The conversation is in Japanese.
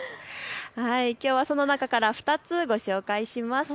きょうはその中から２つ、ご紹介します。